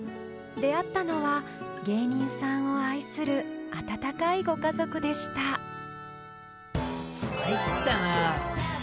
出会ったのは芸人さんを愛する温かいご家族でした参ったな。